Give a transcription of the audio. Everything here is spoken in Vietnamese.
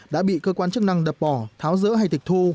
đã bị cơ quan chức năng đập bỏ tháo rỡ hay tịch thu